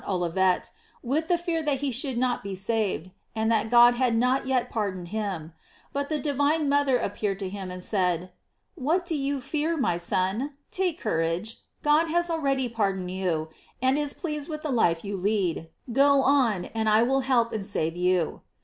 Olivet, with the fear that he should not be saved, and that God had not yet pardoned him; but the divine mother appeared to him, and said: "What do you fear, my son? Take courage; God has already pardoned you, and is pleased with the life you lead; go on, and I will help and save you."